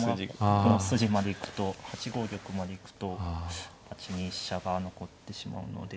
ここの筋まで行くと８五玉まで行くと８二飛車が残ってしまうので。